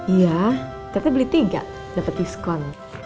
iya ternyata beli tiga dapet diskon